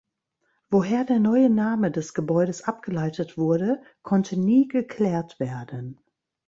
Woher der neue Name des Gebäudes abgeleitet wurde, konnte nie geklärt werden.